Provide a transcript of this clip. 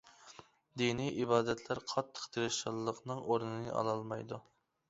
دىنىي ئىبادەتلەر قاتتىق تىرىشچانلىقنىڭ ئورنىنى ئالالمايدۇ.